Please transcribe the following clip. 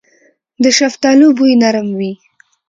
د شفتالو بوی نرم وي.